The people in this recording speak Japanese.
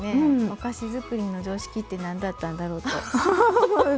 お菓子づくりの常識ってなんだったんだろうって。